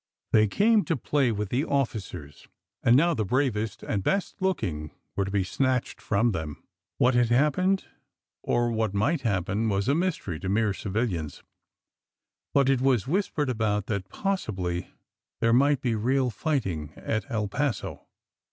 They came to play with the officers, and now the bravest and best (looking) were to be snatched from them. What had happened, or what might happen, was a mystery to mere civilians ; but it was whispered about that possibly there might be real fighting at El Paso.